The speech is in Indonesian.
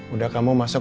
udah kamu masuk